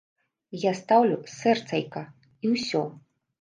Я стаўлю сэрцайка, і ўсё.